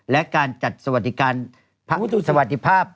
และการจัดสวัสดิภาพ